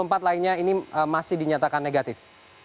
oke tujuh puluh empat lainnya ini masih dinyatakan negatif